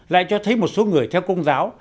lại cho thấy một số người theo công giáo